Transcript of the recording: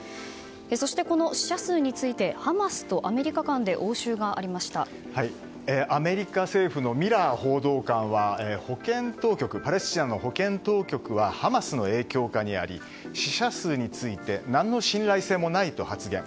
そして、この死者数についてハマスとアメリカ間でアメリカ政府のミラー報道官はパレスチナの保健当局はハマスの影響下にあり死者数について何の信頼性もないと発言。